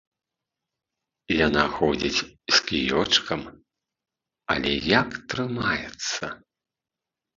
Яна ходзіць з кіёчкам, але як трымаецца!